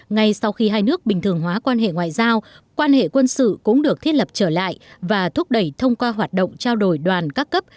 ngay sau khi hai nước bình thường hóa quan hệ ngoại giao quan hệ quân sự cũng được thiết lập trở lại và thúc đẩy thông qua hoạt động trao đổi đoàn các cấp